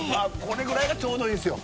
これぐらいがちょうどいいんですよ。